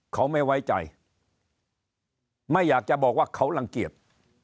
เขาไม่ไว้ใจไม่อยากจะบอกว่าเขารังเกียจ